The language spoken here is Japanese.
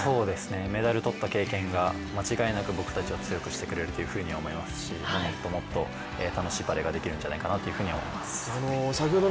メダルをとった経験が間違いなく僕たちを強くしてくれると思いますし、もっともっと楽しいバレーができるんじゃないかなというふうには思っています。